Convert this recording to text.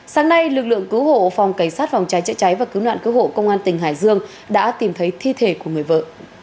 sáng nay lực lượng cứu hộ phòng cảnh sát phòng cháy chữa cháy và cứu nạn cứu hộ công an tỉnh hải dương đã tìm thấy thi thể của người vợ